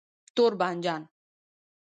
🍆 تور بانجان